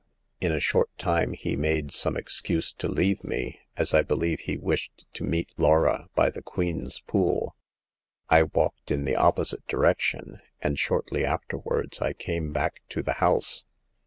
In a short time he made some excuse to leave me, as I believe he wished to meet Laura by the Queen's Pool. I w^alked in the opposite direction, and shortly afterwards I came back to the house.